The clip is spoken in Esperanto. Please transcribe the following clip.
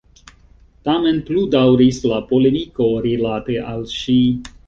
Tamen pludaŭris la polemiko rilate al ŝi.